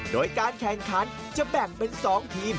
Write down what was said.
โดยการแข่งขันจะแบ่งเป็น๒ทีม